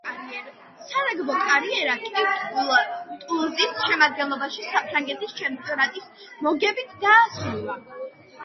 სარაგბო კარიერა კი „ტულუზის“ შემადგენლობაში საფრანგეთის ჩემპიონატის მოგებით დაასრულა.